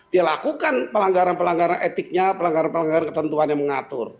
bukan dengan ketentuan yang mengatur